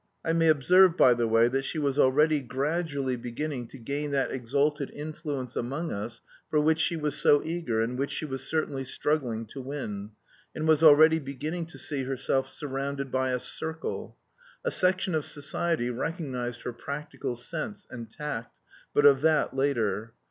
I may observe, by the way, that she was already gradually beginning to gain that exalted influence among us for which she was so eager and which she was certainly struggling to win, and was already beginning to see herself "surrounded by a circle." A section of society recognised her practical sense and tact... but of that later.